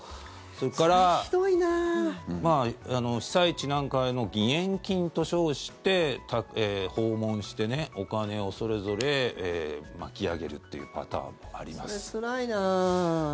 それから被災地なんかへの義援金と称して訪問してお金をそれぞれ巻き上げるというそれ、つらいなあ。